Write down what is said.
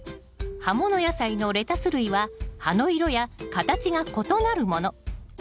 葉物野菜のレタス類は葉の色や形が異なるもの。